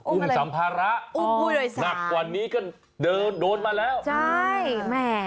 อุ้มสัมภาระหงัดกว่านี้ก็โดนมาแล้ว